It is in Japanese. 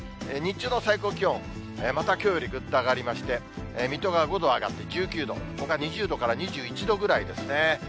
日中の最高気温、またきょうよりぐっと上がりまして、水戸が５度上がって１９度、ほか２０度から２１度ぐらいですね。